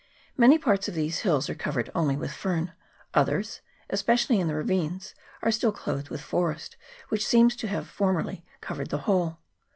Many parts of these hills are covered only with fern ; others, especially in the ravines, are still clothed with forest, which seems to have formerly covered the whole.